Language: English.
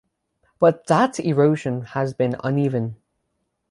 But that erosion has been uneven.